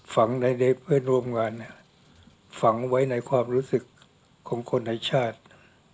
ฝังในเพื่อนร่วมงานฝังไว้ในความรู้สึกของคนในชาติ